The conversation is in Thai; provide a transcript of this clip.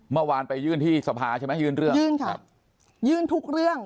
เมื่อวานไปยื่นที่สภาใช่ไหมยื่นเรื่องยื่นค่ะยื่นทุกเรื่อง